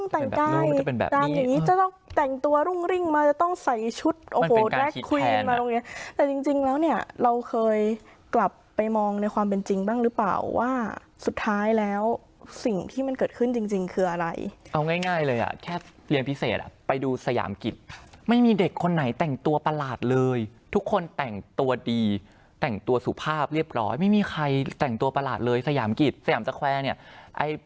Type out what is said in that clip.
แต่จริงจริงแล้วเนี้ยเราเคยกลับไปมองในความเป็นจริงบ้างหรือเปล่าว่าสุดท้ายแล้วสิ่งที่มันเกิดขึ้นจริงจริงคืออะไรเอาง่ายง่ายเลยอ่ะแค่เรียนพิเศษอ่ะไปดูสยามกิจไม่มีเด็กคนไหนแต่งตัวประหลาดเลยทุกคนแต่งตัวดีแต่งตัวสุภาพเรียบร้อยไม่มีใครแต่งตัวประหลาดเลยสยามกิจสยามสแควร์เนี้ยไอ